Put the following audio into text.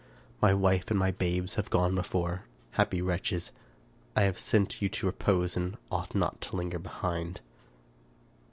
My wife and my babes have gone before. Happy wretches! I have sent you to repose, and ought not to linger behind."